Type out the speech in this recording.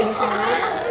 baik baik aja disana